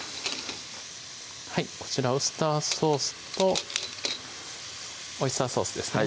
こちらウスターソースとオイスターソースですね